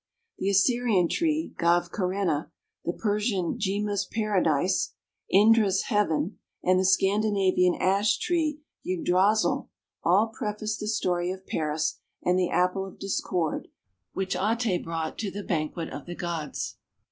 The Assyrian tree Gavkerena, the Persian "Jima's Paradise," "Indra's heaven" and the Scandinavian ash tree Yggdrasil, all prefaced the story of Paris and the apple of discord which Ate brought to the banquet of the gods.